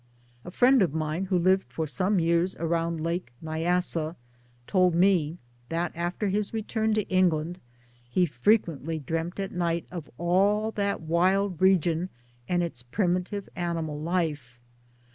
A friend of mine who lived for somie years around Lake Nyassa told 1 me that after ihis return to England he frequently dreamt at night of all that wild region and its primitive animal life.